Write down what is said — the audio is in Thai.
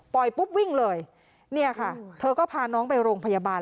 ปุ๊บวิ่งเลยเนี่ยค่ะเธอก็พาน้องไปโรงพยาบาล